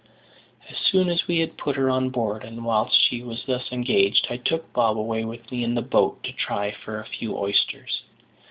As soon as we had put her on board, and whilst she was thus engaged, I took Bob away with me in the boat to try for a few oysters.